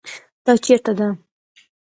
دا چیرته ده؟